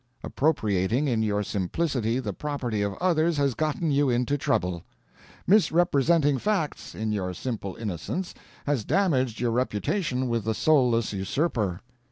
Appropriating, in your simplicity, the property of others has gotten you into trouble. Misrepresenting facts, in your simple innocence, has damaged your reputation with the soulless usurper.